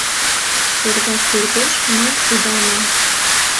Шергаш пӧрдеш ман ида ман -